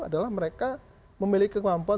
adalah mereka memiliki kemampuan